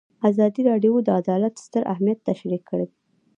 ازادي راډیو د عدالت ستر اهميت تشریح کړی.